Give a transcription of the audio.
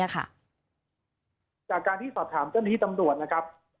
จากการที่สอบถามเจ้าหน้าที่ตำรวจนะครับ